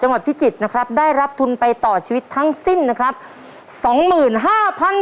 จังหวัดพิจิตรนะครับได้รับทุนไปต่อชีวิตทั้งสิ้นนะครับ๒๕๐๐๐บาท